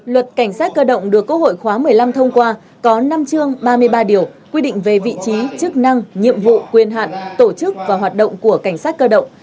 luật cảnh sát cơ động được quốc hội khóa một mươi năm thông qua có năm chương ba mươi ba điều quy định về vị trí chức năng nhiệm vụ quyền hạn tổ chức và hoạt động của cảnh sát cơ động